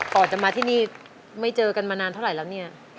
ก่อนจะมาที่นี่ไม่เจอกันมานานเท่าไหร่ครับ